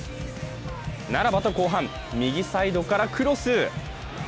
ならばと後半、右サイドからクロス。